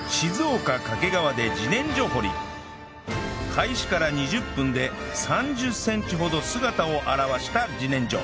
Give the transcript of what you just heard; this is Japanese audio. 開始から２０分で３０センチほど姿を現した自然薯